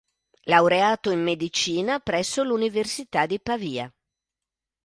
Laureato in medicina presso l'Università di Pavia.